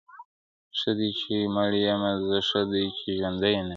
ښه دی چي مړ يمه زه ښه دی چي ژوندی نه يمه,